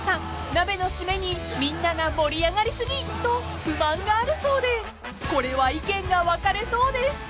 鍋のシメにみんなが盛り上がり過ぎと不満があるそうでこれは意見が分かれそうです］